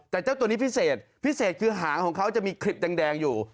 แต่เจ้าตัวนี้พิเศษพิเศษคือหางของเขาจะมีคลิปแดงอยู่